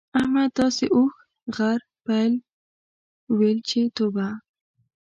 احمد داسې اوښ، غر، پيل؛ ويل چې توبه!